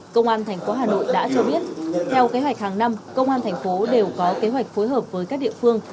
công an tp hà nội đã cho biết theo kế hoạch hàng năm công an tp đều có kế hoạch phối hợp với các địa phương